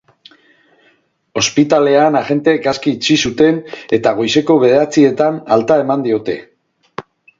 Ospitalean, agenteek aske utzi zuten eta goizeko bederatzietan alta eman diote.